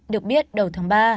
được biết đầu tháng ba